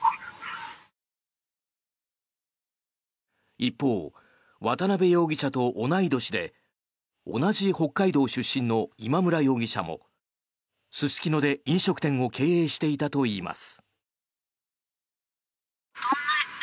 一方、渡邉容疑者と同い年で同じ北海道出身の今村容疑者もすすきので飲食店を経営していたといいます。